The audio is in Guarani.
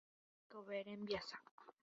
Hekove rembiasa.